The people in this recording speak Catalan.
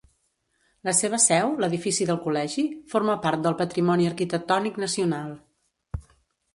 La seva seu, l'Edifici del Col·legi, forma part del patrimoni arquitectònic nacional.